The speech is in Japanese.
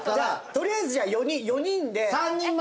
とりあえずじゃあ４人で。